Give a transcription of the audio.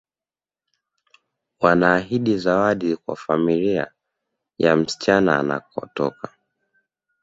Wanaahidi zawadi kwa familia ya msichana anakotoka